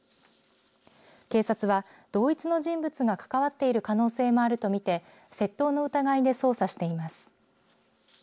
警察は、同一の人物が関わっている可能性もあると見て窃盗の疑いで捜査しています。